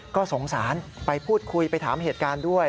ก็สงสารไปพูดคุยไปถามเหตุการณ์ด้วย